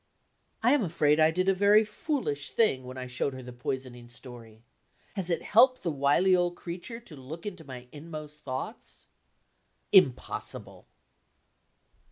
I am afraid I did a very foolish thing when I showed her the poisoning story. Has it helped the wily old creature to look into my inmost thoughts? Impossible!